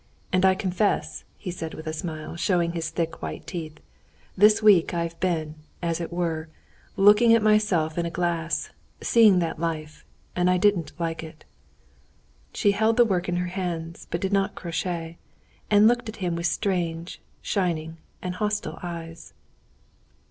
"And I confess," he said, with a smile, showing his thick, white teeth, "this week I've been, as it were, looking at myself in a glass, seeing that life, and I didn't like it." She held the work in her hands, but did not crochet, and looked at him with strange, shining, and hostile eyes.